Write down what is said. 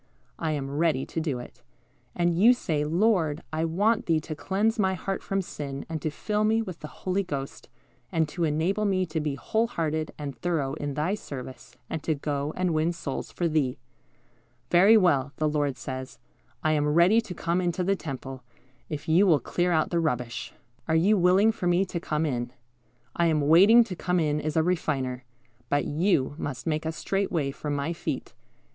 I am ready to do it." And you say, "Lord, I want Thee to cleanse my heart from sin, and to fill me with the Holy Ghost, and to enable me to be whole hearted and thorough in Thy service, and to go and win souls for Thee." "Very well," the Lord says, "I am ready to come into the temple, if you will clear out the rubbish. Are you willing for Me to come in? I am waiting to come in as a Refiner; but you must make a straight way for my feet.